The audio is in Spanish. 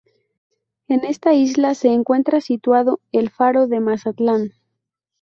En esta isla se encuentra situado el Faro de Mazatlán.